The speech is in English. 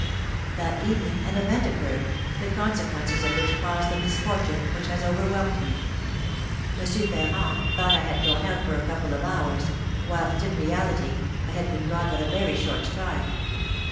That evening an event occurred, the consequences of which caused the misfortune which has overwhelmed me. M. Ferrand thought I had gone out for a couple of hours, whilst, in reality, I had been gone but a very short time.